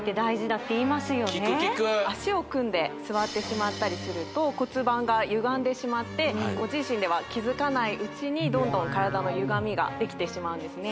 聞く聞く足を組んで座ってしまったりすると骨盤が歪んでしまってご自身では気づかないうちにどんどん体の歪みができてしまうんですね